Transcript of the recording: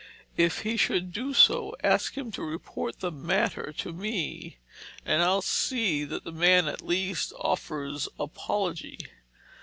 "If he should do so, ask him to report the matter to me, and I'll see that the man at least offers apology."